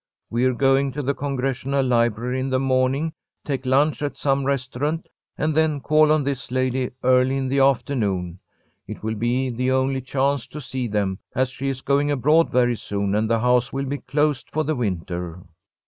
We're going to the Congressional Library in the morning, take lunch at some restaurant, and then call on this lady early in the afternoon. It will be the only chance to see them, as she is going abroad very soon, and the house will be closed for the winter."